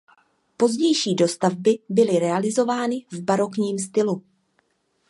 Pozdější dostavby byly realizovány v barokním stylu.